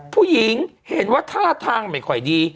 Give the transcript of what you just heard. ผู้หญิงเห็นว่าท่าทางไม่ค่อยดี